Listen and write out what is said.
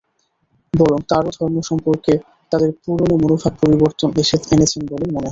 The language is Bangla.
বরং তাঁরাও ধর্ম সম্পর্কে তাঁদের পুরোনো মনোভাবে পরিবর্তন এনেছেন বলেই মনে হয়।